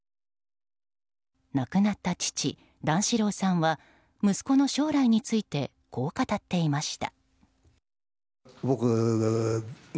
亡くなった父・段四郎さんは息子の将来についてこう語っていました。